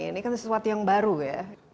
ini kan sesuatu yang baru ya